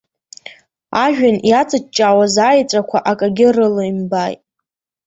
Ажәҩан иаҵыҷҷаауаз аеҵәақәа акагьы рылимбааит.